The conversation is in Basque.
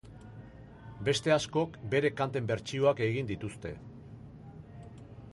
Beste askok bere kanten bertsioak egin dituzte.